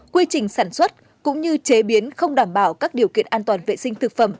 quy trình sản xuất cũng như chế biến không đảm bảo các điều kiện an toàn vệ sinh thực phẩm